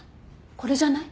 これじゃない？